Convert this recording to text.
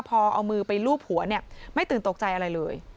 พอเอามือไปลูบหัวเนี่ยไม่ตื่นตกใจอะไรเลย